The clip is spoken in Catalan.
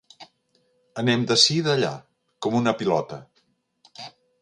Anem d'ací d'allà, com una pilota.